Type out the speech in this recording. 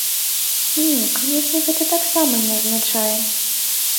Не, канечне, гэта таксама не азначае.